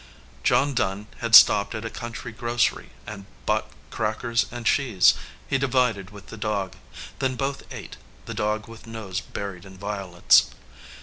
John Dunn had stopped at a country grocery and bought crackers and cheese. He divided with the dog. Then both ate, the dog with nose buried in violets.